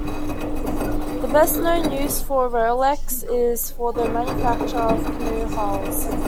The best known use of Royalex is for the manufacture of canoe hulls.